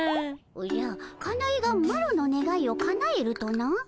おじゃかなえがマロのねがいをかなえるとな？